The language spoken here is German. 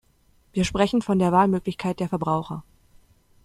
Wir sprechen von der Wahlmöglichkeit der Verbraucher.